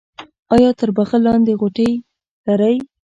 ایا تر بغل لاندې غوټې لرئ؟